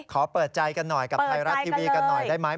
ขอเปิดใจกันหน่อยกับไทยรัฐทีวีกันหน่อยได้ไหม